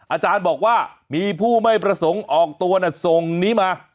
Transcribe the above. อาจารย์บอกว่ามีผู้ไม่ประสงค์ออกตัวส่งนี้มา